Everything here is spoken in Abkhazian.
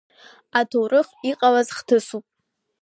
Аҭоурых иҟалаз хҭысуп.